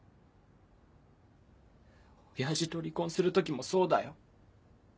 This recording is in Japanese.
親父と離婚する時もそうだよ。